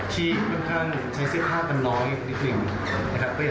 ที่ประมาณใช้เสื้อผ้ากันน้อยนิดนึงนะครับ